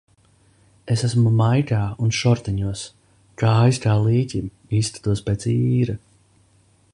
Es esmu maikā un šortiņos, kājas kā līķim, izskatos pēc īra.